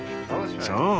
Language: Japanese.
そう！